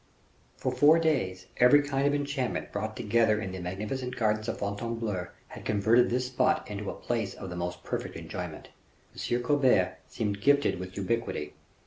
For four days, every kind of enchantment brought together in the magnificent gardens of Fontainebleau had converted this spot into a place of the most perfect enjoyment. M. Colbert seemed gifted with ubiquity.